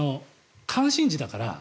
関心事だから。